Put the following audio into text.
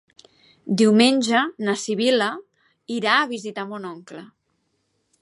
Diumenge na Sibil·la irà a visitar mon oncle.